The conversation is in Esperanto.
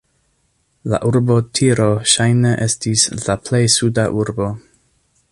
La urbo Tiro ŝajne estis la plej suda urbo.